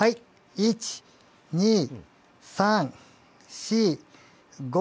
１、２、３、４、５。